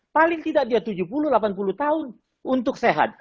paling tidak dia tujuh puluh delapan puluh tahun untuk sehat